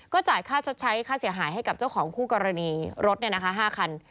จ่ายค่าชดใช้ค่าเสียหายให้กับเจ้าของคู่กรณีรถ๕คัน